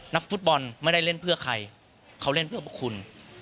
นักฟุตบอลไม่ได้เล่นเพื่อใครเขาเล่นเพื่อพวกคุณ